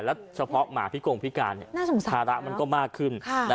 แล้วเฉพาะหมาพิกงพิการภาระมันก็มากขึ้น